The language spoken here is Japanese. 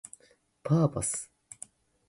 パーパス